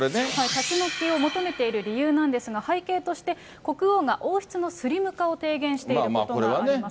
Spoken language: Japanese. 立ち退きを求めている理由なんですが、背景として、国王が王室のスリム化を提言していることがあります。